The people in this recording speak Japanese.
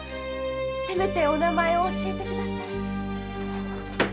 せめてお名前を教えてください。